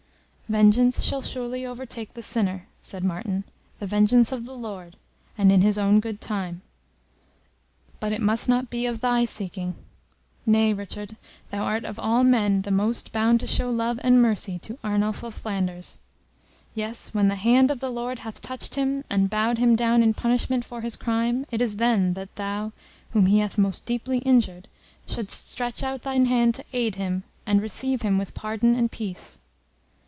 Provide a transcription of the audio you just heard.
"Vengeance shall surely overtake the sinner," said Martin, "the vengeance of the Lord, and in His own good time, but it must not be of thy seeking. Nay, Richard, thou art of all men the most bound to show love and mercy to Arnulf of Flanders. Yes, when the hand of the Lord hath touched him, and bowed him down in punishment for his crime, it is then, that thou, whom he hath most deeply injured, shouldst stretch out thine hand to aid him, and receive him with pardon and peace.